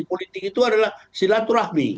politik itu adalah silaturahmi